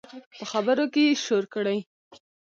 په خبرو کې یې شور کړي